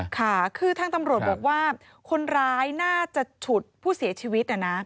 ค่ะคือทางตำรวจบอกว่าคนร้ายน่าจะฉุดผู้เสียชีวิตนะนะ